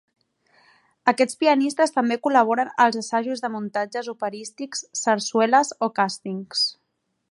Aquests pianistes també col·laboren als assajos de muntatges operístics, sarsueles o càstings.